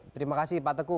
terima kasih pak teguh